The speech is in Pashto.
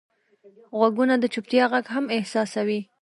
غوږونه د چوپتیا غږ هم احساسوي